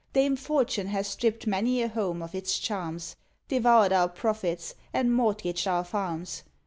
Dame Fortune has stripped many a home of its charms, Devoured our profits, and mortgaged our farms.